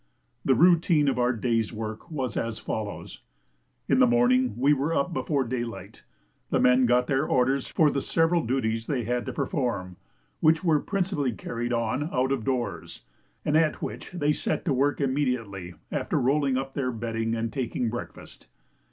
The routine of our day's work was as follows: in the morning we were up before day light; the men got their orders for the several duties they had to perform, which were principally carried on out of doors, and at which they set to work immediately after rolling up their bedding and taking breakfast.